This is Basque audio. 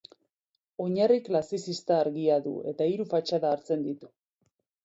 Oinarri klasizista argia du, eta hiru fatxada hartzen ditu.